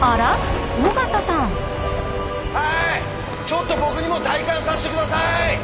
ちょっと僕にも体感させて下さい！